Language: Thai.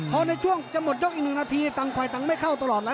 เพราะในช่วงจะหมดยกอีก๑นาทีตังควายตังไม่เข้าตลอดเลย